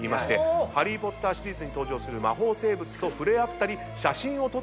『ハリー・ポッター』シリーズに登場する魔法生物と触れ合ったり写真を撮ったりできる。